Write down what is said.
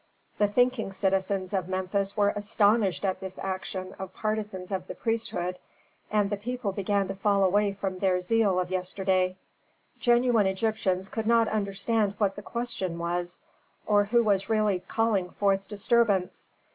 The thinking citizens of Memphis were astonished at this action of partisans of the priesthood, and the people began to fall away from their zeal of yesterday. Genuine Egyptians could not understand what the question was, or who was really calling forth disturbance.